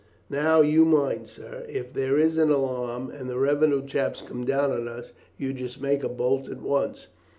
Now you mind, sir, if there is an alarm, and the revenue chaps come down on us, you just make a bolt at once.